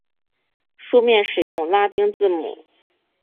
书面使用拉丁字母。